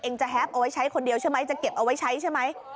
จะแฮปเอาไว้ใช้คนเดียวใช่ไหมจะเก็บเอาไว้ใช้ใช่ไหม